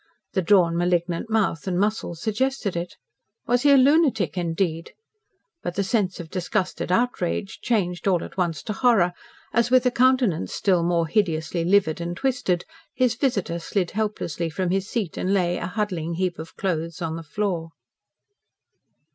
The drawn malignant mouth and muscles suggested it. Was he a lunatic, indeed? But the sense of disgusted outrage changed all at once to horror, as, with a countenance still more hideously livid and twisted, his visitor slid helplessly from his seat and lay a huddling heap of clothes on the floor.